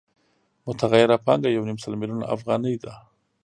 متغیره پانګه یو نیم سل میلیونه افغانۍ ده